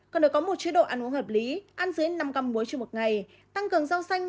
cần phải có một chế độ ăn uống hợp lý ăn dưới năm găm muối trên một ngày tăng cường rau xanh